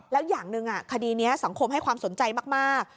แล้วอย่างหนึ่งคดีนี้สังคมให้ความสนใจมาก